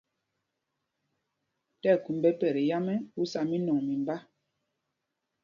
Tí ɛkum ɓɛ pɛt yǎm, ú sá mínɔŋ mimbá.